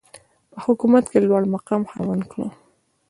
په حکومت کې د لوړمقام خاوند کړ.